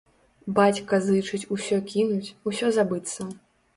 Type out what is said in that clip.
Бацька зычыць усё кінуць, усё забыцца.